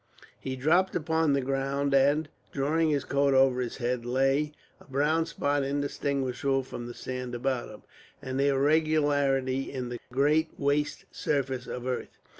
He dropped upon the ground and, drawing his coat over his head, lay, a brown spot indistinguishable from the sand about him, an irregularity in the great waste surface of earth.